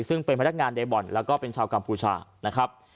ซึ่งเป็นพนักงานในบ่อนแล้วก็เป็นชาวกัมพูชานะครับ